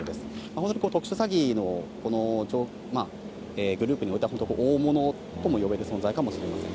本当に特殊詐欺のこのグループにおいては、本当に大物とも呼べる存在かもしれません。